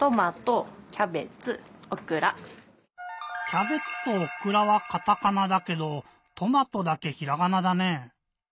「キャベツ」と「オクラ」はカタカナだけど「とまと」だけひらがなだね。